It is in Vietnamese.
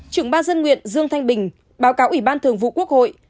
trưởng ban dân nguyện dương thanh bình báo cáo ủy ban thường vụ quốc hội